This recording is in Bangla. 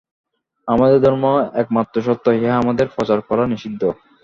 আমাদের ধর্মই একমাত্র সত্য, ইহা আমাদের প্রচার করা নিষিদ্ধ।